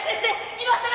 今さら。